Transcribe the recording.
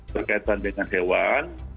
berkaitan dengan hewan